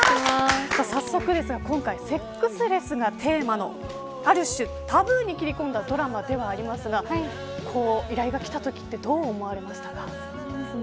早速ですが今回、セックスレスがテーマのある種タブーに切り込んだドラマではありますが依頼が来たときどう思いましたか。